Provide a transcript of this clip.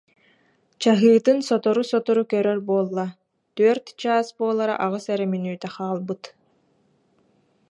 Чаһыытын сотору-сотору көрөр буолла, түөрт чаас буолара аҕыс эрэ мүнүүтэ хаалбыт